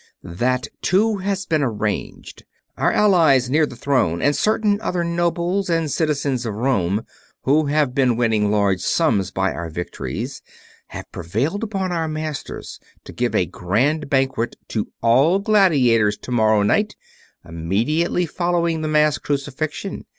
"That too, has been arranged. Our allies near the throne and certain other nobles and citizens of Rome, who have been winning large sums by our victories, have prevailed upon our masters to give a grand banquet to all gladiators tomorrow night, immediately following the mass crucifixion.